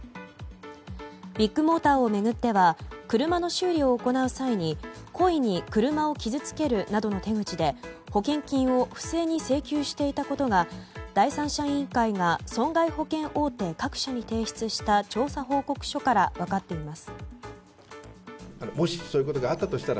ビッグモーターを巡っては車の修理を行う際に故意に車を傷つけるなどの手口で保険金を不正に請求していたことが第三者委員会が損害保険大手各社に提出した調査報告書から分かっています。